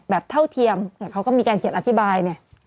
เท่าเทียมเนี่ยเขาก็มีการเขียนอธิบายเนี่ย